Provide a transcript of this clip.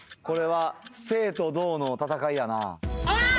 これは静と動の戦いやな。